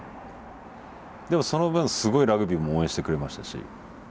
でもその分すごいラグビーも応援してくれましたし。